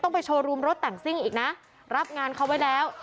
ไปโชว์รูมรถแต่งซิ่งอีกนะรับงานเขาไว้แล้ว